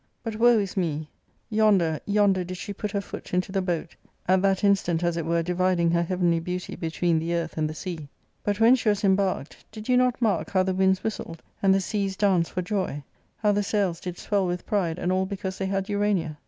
But woe is me ! yonder, yonder did she put her foot into the boat, at that instant, as it_were> dividing her heavenly beauty between the earth and theLsea. . But when she was embarked did you not mark how the winds whistled, and the seas danced for joy ; how the sails did swell with pride, and all because they had Urania